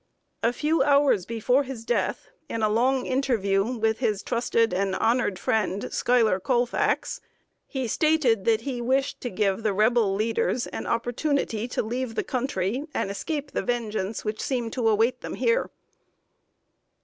A few hours before his death, in a long interview with his trusted and honored friend Schuyler Colfax, he stated that he wished to give the Rebel leaders an opportunity to leave the country and escape the vengeance which seemed to await them here.